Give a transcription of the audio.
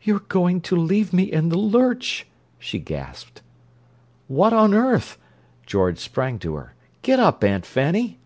"You're going to leave me in the lurch!" she gasped. "What on earth—" George sprang to her. "Get up, Aunt Fanny!"